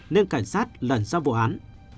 nên cảnh sát lần sau vụ án